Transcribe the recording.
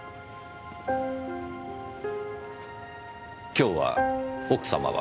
今日は奥様は？